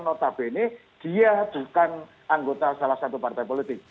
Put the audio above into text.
ada ada di dprd ini karena namanya juga hidupan undang undang tersebut